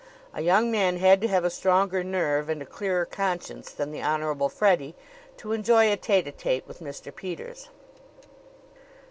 A young man had to have a stronger nerve and a clearer conscience than the Honorable Freddie to enjoy a tete a tete with Mr. Peters.